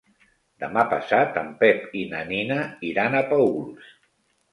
Demà passat en Pep i na Nina iran a Paüls.